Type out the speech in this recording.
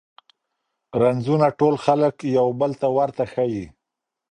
رنځونه ټول خلګ یو بل ته ورته ښیي.